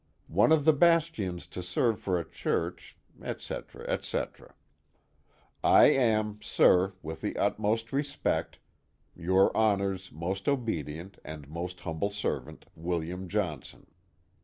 One of the Bastions to serve for a church, etc., etc. I am Sir With the Utmost Respect Your Honours Most Obedient & Most Humble Serv't, Wm. Johnson.